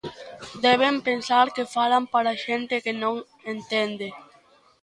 Deben pensar que falan para xente que non entende.